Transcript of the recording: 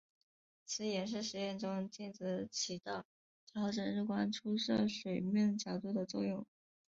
此演示实验中镜子起到调整日光出射水面角度的作用。